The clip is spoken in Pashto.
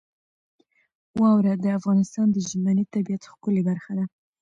واوره د افغانستان د ژمنۍ طبیعت ښکلې برخه ده.